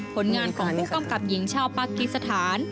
ผลงานของผู้กำกับหญิงชาวปากีสถาน